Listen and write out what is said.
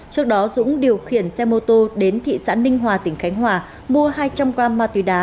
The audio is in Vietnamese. trước đó dũng điều khiển xe mô tô đến thị xã ninh hòa tỉnh khánh hòa mua hai trăm linh g ma túy đá